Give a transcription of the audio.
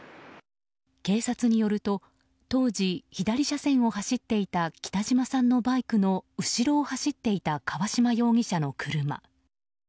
警察によると、当時左車線を走っていた北島さんのバイクの後ろを走っていた川島容疑者の車。